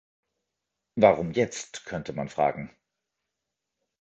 Warum jetzt, könnte man fragen.